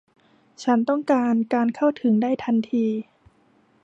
ฉันต้องการการเข้าถึงได้ทันที